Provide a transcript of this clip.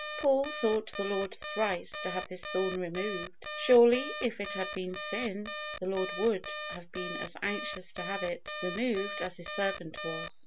Paul sought the Lord thrice to have this thorn removed; surely if it had been sin, the Lord would, have been as anxious to have it removed as His servant was!